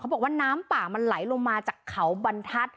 บอกว่าน้ำป่ามันไหลลงมาจากเขาบรรทัศน์